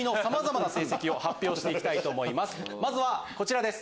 まずはこちらです。